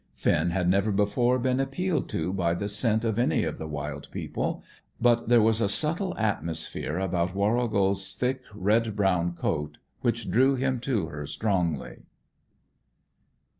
Finn had never before been appealed to by the scent of any of the wild people, but there was a subtle atmosphere about Warrigal's thick red brown coat which drew him to her strongly.